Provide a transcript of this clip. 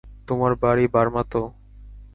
তোমার বাড়ি বার্মা তো?